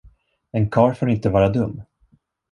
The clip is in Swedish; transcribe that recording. En karl får inte vara dum.